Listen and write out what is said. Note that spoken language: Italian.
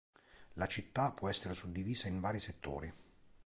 La città può essere suddivisa in vari settori.